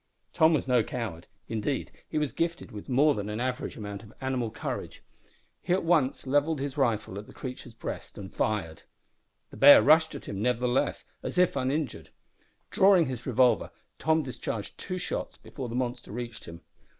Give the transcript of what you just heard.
Tom was no coward; indeed he was gifted with more than an average amount of animal courage. He at once levelled his rifle at the creature's breast and fired. The bear rushed at him, nevertheless, as if uninjured. Drawing his revolver, Tom discharged two shots before the monster reached him.